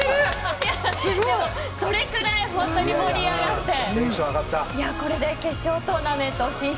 それぐらい本当に盛り上がってこれで決勝トーナメント進出